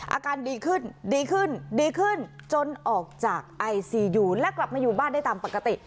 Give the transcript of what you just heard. อาการดีขึ้นดีขึ้นดีขึ้นจนออกจากไอซียูและกลับมาอยู่บ้านได้ตามปกติ